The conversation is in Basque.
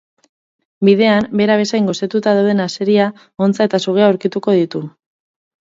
Bidean, bera bezain gosetuta dauden azeria, hontza eta sugea aurkituko ditu.